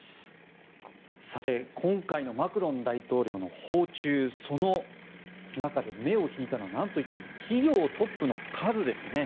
さて、今回のマクロン大統領の訪中その中で目を引いたのはなんといっても企業トップの数ですね。